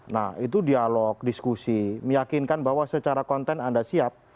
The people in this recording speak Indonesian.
nah itu dialog diskusi meyakinkan bahwa secara konten anda siap